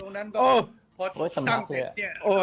เอาคนที่ออกมาอยู่ตรงนั้นซะ